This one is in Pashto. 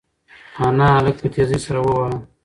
انا هلک په تېزۍ سره وواهه.